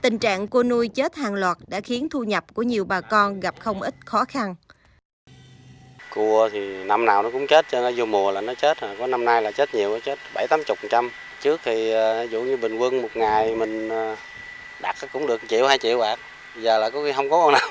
tình trạng cua nuôi chết hàng loạt đã khiến thu nhập của nhiều bà con gặp không ít khó khăn